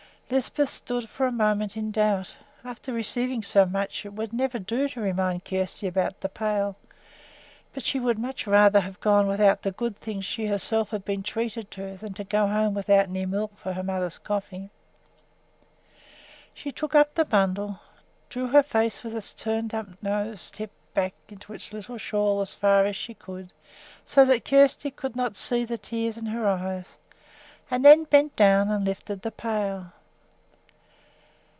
Lisbeth stood for a moment in doubt. After receiving so much, it would never do to remind Kjersti about the pail; but she would much rather have gone without the good things she herself had been treated to than to go home without any milk for her mother's coffee. She took up the bundle, drew her face with its turned up nose tip back into its little shawl as far as she could so that Kjersti should not see the tears in her eyes, and then bent down and lifted the pail.